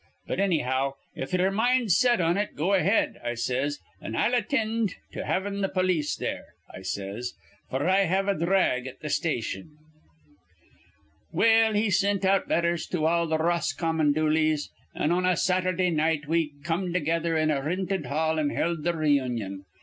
'But annyhow, if ye'er mind's set on it, go ahead,' I says, 'an' I'll attind to havin' th' polis there,' I says, 'f'r I have a dhrag at th' station.' "Well, he sint out letthers to all th' Roscommon Dooleys; an' on a Saturdah night we come together in a rinted hall an' held th' reunion.